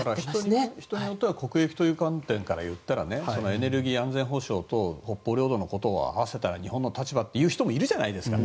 人によっては国益という観点から言ったらエネルギー、安全保障北方領土を合わせた日本の立場っていう人もいるじゃないですか。